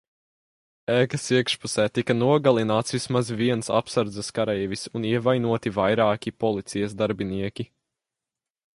Ēkas iekšpusē tika nogalināts vismaz viens apsardzes kareivis un ievainoti vairāki policijas darbinieki.